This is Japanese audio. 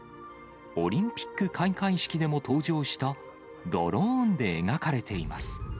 オリンピック開会式でも登場した、ドローンで描かれています。